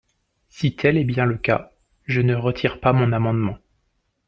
Si tel est bien le cas, je ne retire pas mon amendement.